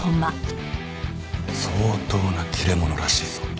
相当な切れ者らしいぞ。